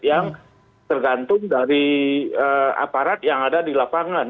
yang tergantung dari aparat yang ada di lapangan